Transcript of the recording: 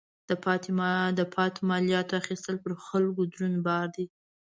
د پاتې مالیاتو اخیستل پر خلکو دروند بار دی.